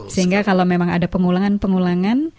sehingga kalau memang ada pengulangan pengulangan